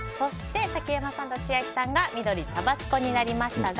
竹山さんと千秋さんが緑、タバスコになりましたが。